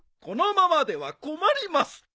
このままでは困ります！